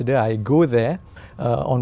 đó là thật không